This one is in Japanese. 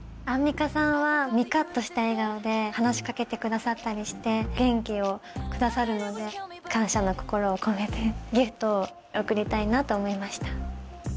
アンミカさんはニコっとした笑顔で話し掛けてくださったりして元気をくださるので感謝の心を込めてギフトを贈りたいなと思いました。